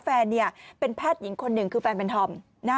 แฟนเป็นแพทย์หญิงคนหนึ่งคือแฟนเป็นธอม